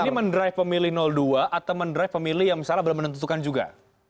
ini men drive pemilih dua atau men drive pemilih yang misalnya belum menentukan juga